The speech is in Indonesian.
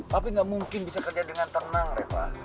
papi gak mungkin bisa kerja dengan tenang reva